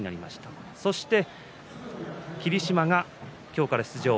そして霧島が今日から出場。